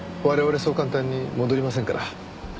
我々そう簡単に戻りませんから。